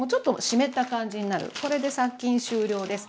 これで殺菌終了です。